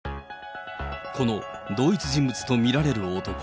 この同一人物と見られる男。